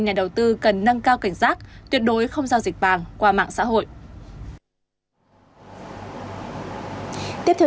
nhà đầu tư cần nâng cao cảnh giác tuyệt đối không giao dịch vàng qua mạng xã hội tiếp theo